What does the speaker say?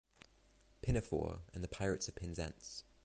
Pinafore" and "The Pirates of Penzance.